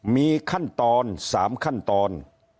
มีขั้นตอน๓ขั้นตอน